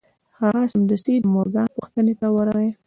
هغه سمدستي د مورګان پوښتنې ته ورغی